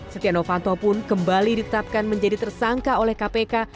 setianofanto pun kembali ditetapkan menjadi tersangka oleh kpk